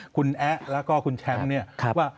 คุณแอะและก็คุณแช็มป์ว่า